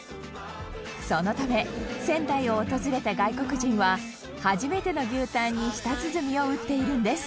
そのため仙台を訪れた外国人は初めての牛タンに舌鼓を打っているんです